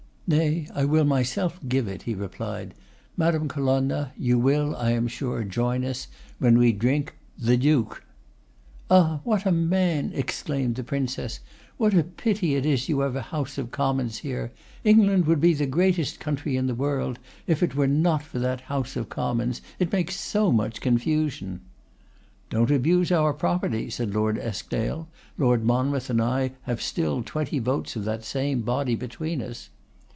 'Nay, I will myself give it,' he replied. 'Madame Colonna, you will, I am sure, join us when we drink, THE DUKE!' 'Ah! what a man!' exclaimed the Princess. 'What a pity it is you have a House of Commons here! England would be the greatest country in the world if it were not for that House of Commons. It makes so much confusion!' 'Don't abuse our property,' said Lord Eskdale; 'Lord Monmouth and I have still twenty votes of that same body between us.